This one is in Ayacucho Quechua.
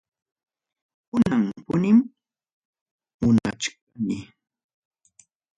Kunam punim munachkani.